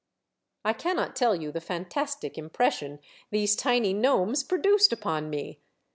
I cannot tell you the fantastic impression these tiny gnomes produced upon me.